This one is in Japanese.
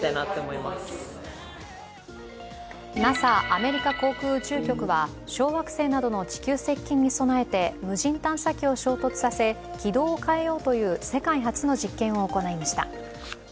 ＮＡＳＡ＝アメリカ航空宇宙局は小惑星などの地球接近に備えて無人探査機を衝突させ軌道を変えようという世界初の実験を行いました。